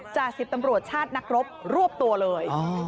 จาก๑๐ตำรวจชาตินักรบรวบตัวเลย